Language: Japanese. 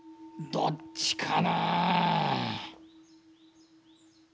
どっちかな？